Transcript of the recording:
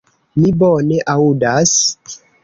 Mi bone aŭdas.